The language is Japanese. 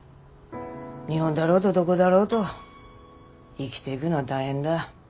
日本だろうとどごだろうと生ぎでいくのは大変だ。